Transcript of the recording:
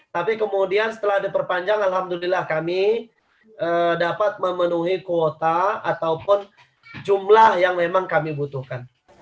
tapi kemudian setelah diperpanjang alhamdulillah kami dapat memenuhi kuota ataupun jumlah yang memang kami butuhkan